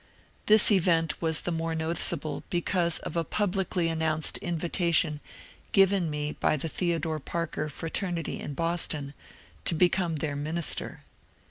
This event was the more noticeable because of a publicly announced invitation given me by the Theodore Parker Fraternity in Boston to become their minia ter.